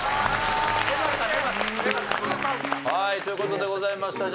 はいという事でございました。